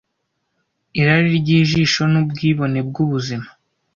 'Irari ry'ijisho n'ubwibone bw'ubuzima